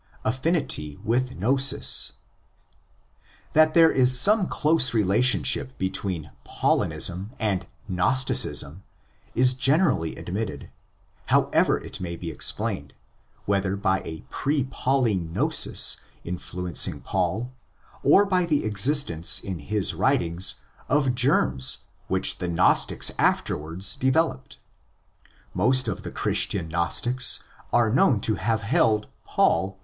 Affinity with Gnosis. That there is some close relationship between Paulinism and Gnosticism is generally admitted, however it may be explained, whether by a pre Pauline gnosis influencing Paul or by the existence in his writings of germs which the Gnostics afterwards developed. Most of the Christian Gnostics are known to have held '' Paul"?